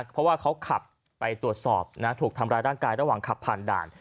เพราะว่าเขาขับไปตรวจสอบถูกทำร้ายร่างกายระหว่างขับผ่านด่าน